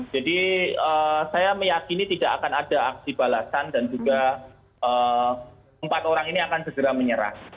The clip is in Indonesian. jadi saya meyakini tidak akan ada aksi balasan dan juga empat orang ini akan segera menyerah